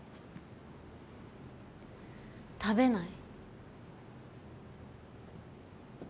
食べない。